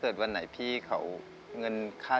คุณหมอบอกว่าเอาไปพักฟื้นที่บ้านได้แล้ว